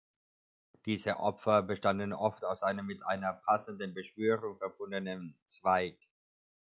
Diese Opfer bestanden oft aus einem mit einer passenden Beschwörung verbundenen Zweig.